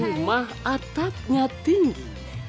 rumah atapnya tinggi